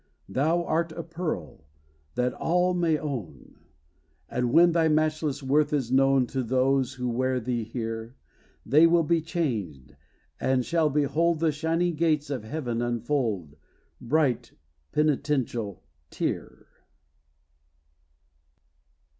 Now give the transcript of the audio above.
Thou art a pearl, that all may own, And when thy matchless worth is known To those, who wear thee here, They will be changed, and shall behold The shining gates of heaven unfold, Bright Penitential Tear!